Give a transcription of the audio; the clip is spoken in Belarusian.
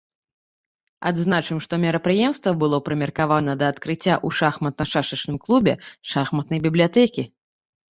Адзначым, што мерапрыемства было прымеркавана да адкрыцця ў шахматна-шашачным клубе шахматнай бібліятэкі.